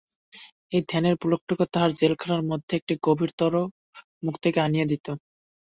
এই ধ্যানের পুলকটুকু তাহার জেলখানার মধ্যে একটি গভীরতর মুক্তিকে আনিয়া দিত।